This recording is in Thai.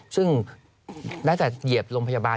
ซึ่งได้แต่เหยียบโรงพยาบาล